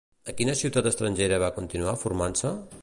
A quina ciutat estrangera va continuar formant-se?